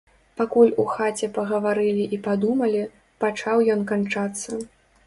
Пакуль у хаце пагаварылі і падумалі, пачаў ён канчацца.